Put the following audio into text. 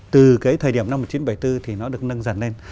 từ cái thời điểm năm một nghìn chín trăm bảy mươi bốn thì nó được nâng dần lên